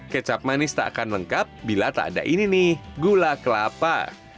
kecap manis tak akan lengkap bila tak ada ini nih gula kelapa